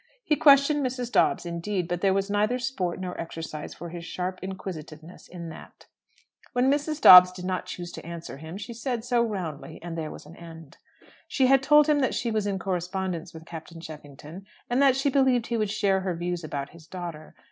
He questioned Mrs. Dobbs, indeed; but there was neither sport nor exercise for his sharp inquisitiveness in that. When Mrs. Dobbs did not choose to answer him, she said so roundly, and there was an end. She had told him that she was in correspondence with Captain Cheffington, and that she believed he would share her views about his daughter.